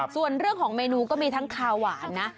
ส่วนเรื่องของเมนูก็มีทั้งคาวหวานนะ